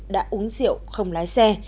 đã uống rượu không lái xe